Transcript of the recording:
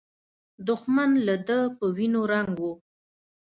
دښمن له ده په وینو رنګ و.